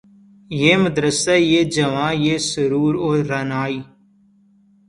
یہ مدرسہ یہ جواں یہ سرور و رعنائی